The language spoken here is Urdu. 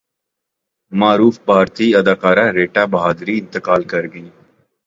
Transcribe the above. معروف بھارتی اداکارہ ریٹا بہادری انتقال کرگئیں